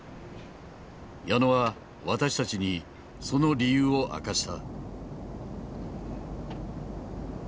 矢野は私たちにその理由を明かした。